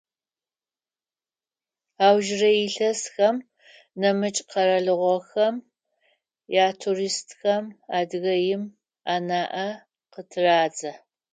Аужрэ илъэсхэм нэмыкӏ къэралыгъохэм ятуристхэм Адыгеим анаӏэ къытырадзэ.